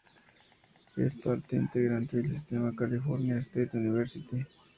Es parte integrante del sistema California State University.